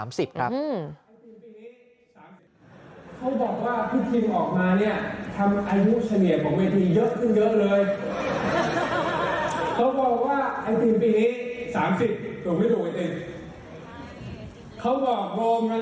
ผมได้ทำอย่างนี้ครับพี่น้องผมได้สวนสตลักษณ์สมัครลงไป